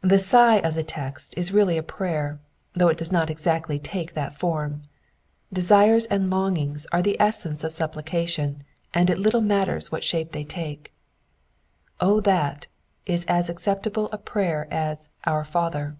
The sigh of the text is really a prayer, though it does not exactly tak© that form. Desires and longings are of the essence of supplication, and it little matters what shape they toke. O that '' is as acceptable a prayer as "Our Father."